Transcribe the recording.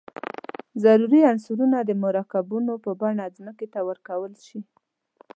ضروري عنصرونه د مرکبونو په بڼه ځمکې ته ورکول شي.